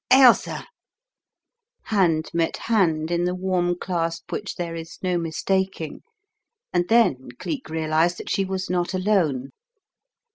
"Ailsa !" Hand met hand in the warm clasp which there is no mistaking and then Cleek realized that she was not alone.